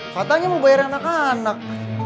katanya mau bayar anak anak